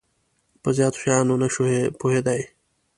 په زیاتو شیانو نه شو پوهیدای.